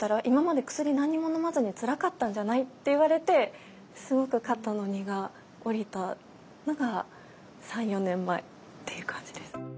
今まで薬何にものまずにつらかったんじゃない？」って言われてすごく肩の荷が下りたのが３４年前っていう感じです。